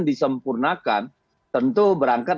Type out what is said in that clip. disempurnakan tentu berangkat